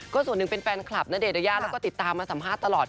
ส่วนหนึ่งเป็นแฟนคลับณเดชนยายาแล้วก็ติดตามมาสัมภาษณ์ตลอด